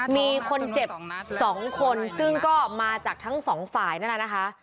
มีคนเจ็บ๒คนซึ่งก็มาจากทั้งสองฝ่ายนั่นแหละนะคะ